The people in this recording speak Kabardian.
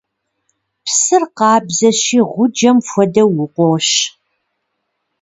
Псыр къабзэщи, гъуджэм хуэдэу, укъощ.